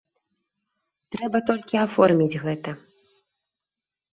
Трэба толькі аформіць гэта.